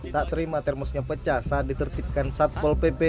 tak terima termosnya pecah saat ditertipkan satpol pp